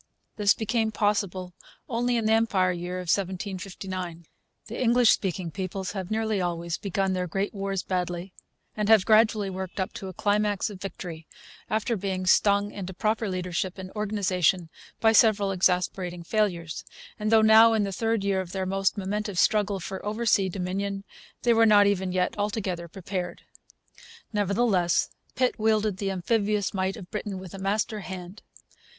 This became possible only in the Empire Year of 1759. The English speaking peoples have nearly always begun their great wars badly, and have gradually worked up to a climax of victory after being stung into proper leadership and organization by several exasperating failures; and though now in the third year of their most momentous struggle for oversea dominion, they were not even yet altogether prepared. Nevertheless, Pitt wielded the amphibious might of Britain with a master hand.